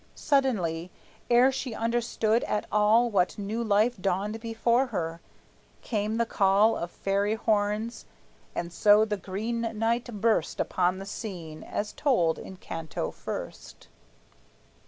Suddenly, ere she understood at all What new life dawned before her, came the call Of fairy horns; and so the Green Knight burst Upon the scene, as told in Canto First.